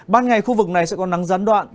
ban ngày khu vực này sẽ có nắng gián đoạn